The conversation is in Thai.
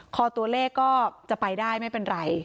คอตัวเลขก็จะไปได้ไม่เป็นไร